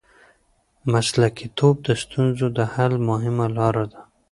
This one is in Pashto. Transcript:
مسلکیتوب د ستونزو د حل مهمه لار ده.